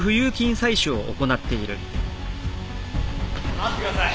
待ってください！